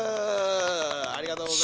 ありがとうございます。